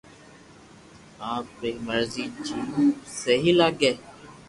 آپ ري مرزو جيم سھي لاگي